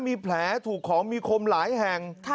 มีแผลถูกของมีคมหลายแห่ง